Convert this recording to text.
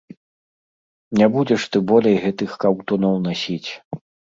Не будзеш ты болей гэтых каўтуноў насіць!